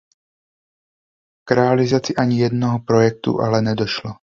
K realizaci ani jednoho projektu ale nedošlo.